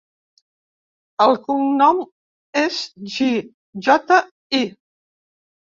El cognom és Ji: jota, i.